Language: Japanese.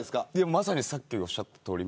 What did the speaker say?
まさにさっきおっしゃったとおり。